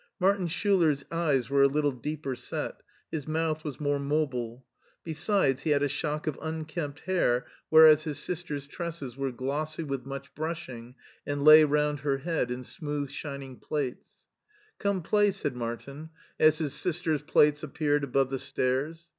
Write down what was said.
Martin Schiller's eves were a little deeper set, his mouth was more mobile; besides, he had a shock of unkempt hair, whereas his HEIDELBERG 7 sister's tresses were glossy with much brushing and lay round her head in smooth shining plaits. Come play," said Martin, as his sister's plaits ap peared above the stairs.